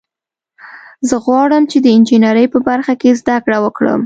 زه غواړم چې د انجینرۍ په برخه کې زده کړه وکړم